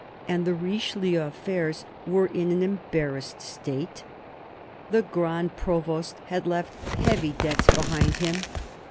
And the Richelieu affairs were in an embarrassed state. The Grand Provost had left heavy debts behind EARLY YEARS 13 him.